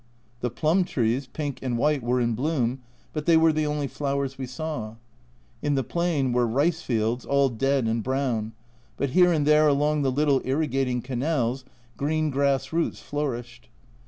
The plum trees, pink and white, were in bloom, but they were the only flowers we saw. In the plain were rice fields, all dead and brown, but here and there along the little irrigating canals green grass roots flourished.